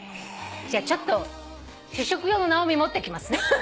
じゃあちょっと試食用のナオミ持ってきますね。